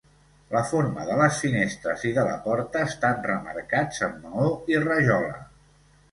La forma de les finestres i de la porta estan remarcats amb maó i rajola.